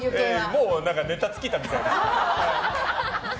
もうネタ尽きたみたいです。